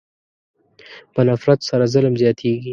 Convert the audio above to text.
په نفرت سره ظلم زیاتېږي.